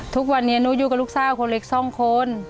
ทุกวันนี้หนูอยู่กับลูกสาวคนเล็กสองคน